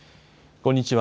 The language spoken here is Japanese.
こんにちは。